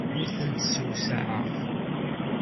Ur tent-ssewsaɛeɣ.